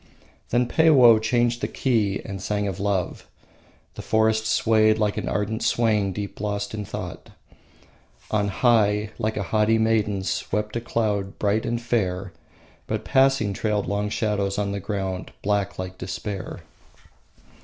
Then Peiwoh changed the key and sang of love. The forest swayed like an ardent swain deep lost in thought. On high, like a haughty maiden, swept a cloud bright and fair; but passing, trailed long shadows on the ground, black like despair.